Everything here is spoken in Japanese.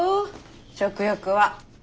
食欲は。